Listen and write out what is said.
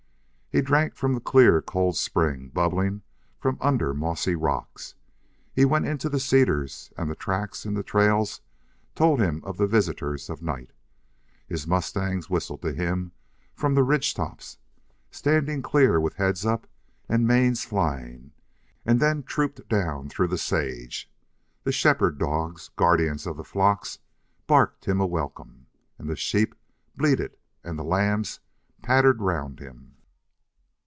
He drank from the clear, cold spring bubbling from under mossy rocks. He went into the cedars, and the tracks in the trails told him of the visitors of night. His mustangs whistled to him from the ridge tops, standing clear with heads up and manes flying, and then trooped down through the sage. The shepherd dogs, guardians of the flocks, barked him a welcome, and the sheep bleated and the lambs pattered round him.